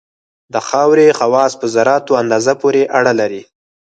د خاورې خواص په ذراتو اندازه پورې اړه لري